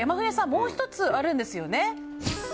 もう１つあるんですよね？